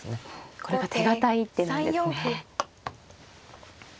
これが手堅い一手なんですね。